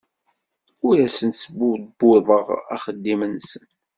Ur asen-sbubbuḍeɣ axeddim-nsen.